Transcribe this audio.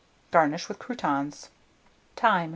Garnish with croutons. Time.